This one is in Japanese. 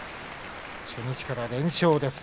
初日から連勝です。